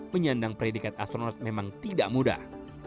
menyandang predikat astronot memang tidak mudah